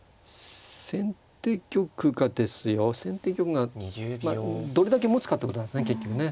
先手玉がどれだけもつかってことなんですね結局ね。